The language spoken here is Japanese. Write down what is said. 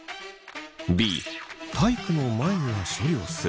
Ｂ体育の前には処理をする。